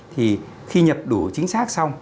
thì khi nhập đủ chính xác xong